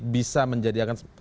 bisa menjadi akan